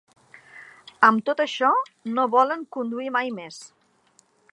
Amb tot això, no voler conduir mai més.